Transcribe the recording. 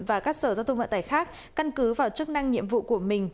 và các sở giao thông vận tải khác căn cứ vào chức năng nhiệm vụ của mình